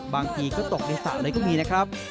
บางทีก็ตกในสระเลยก็มีนะครับ